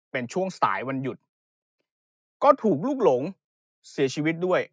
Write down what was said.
เป็นช่วงสายวันหยุดก็ถูกลูกหลงเสียชีวิตด้วย